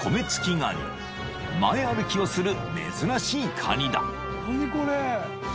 ［前歩きをする珍しいカニだ］